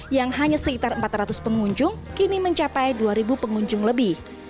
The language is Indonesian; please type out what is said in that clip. yang hanya sekitar empat ratus pengunjung kini mencapai dua pengunjung lebih